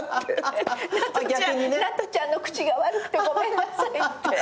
「なとちゃんの口が悪くてごめんなさい」って。